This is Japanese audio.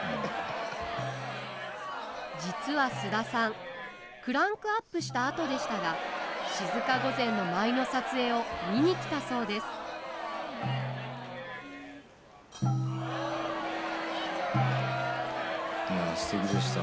実は菅田さんクランクアップしたあとでしたが静御前の舞の撮影を見に来たそうですくり返しいやすてきでした。